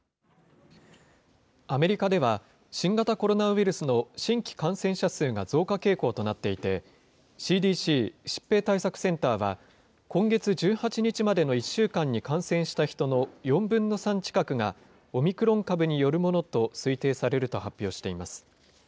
アメリカでは、新型コロナウイルスの新規感染者数が増加傾向となっていて、ＣＤＣ・疾病対策センターは、今月１８日までの１週間に感染した人の４分の３近くが、オミクロン株によるものと推定されると発表しています。